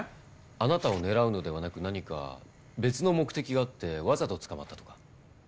あなたを狙うのではなく何か別の目的があってわざと捕まったとか。